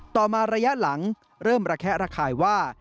ต่อมาระยะหลังเริ่มระแคะระคายว่า